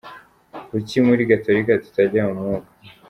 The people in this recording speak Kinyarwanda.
Kuki muri Gatolika tutajya mu mwuka?